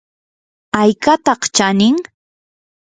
¿aykataq chanin?